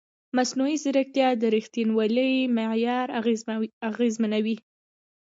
مصنوعي ځیرکتیا د ریښتینولۍ معیار اغېزمنوي.